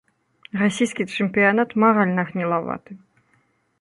Расійскі чэмпіянат маральна гнілаваты.